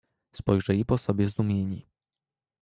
"Spojrzeli po sobie zdumieni."